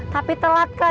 tapi telat kak